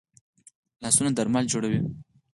لاسونه درمل جوړوي